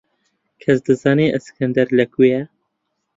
کەس دەزانێت ئەسکەندەر لەکوێیە؟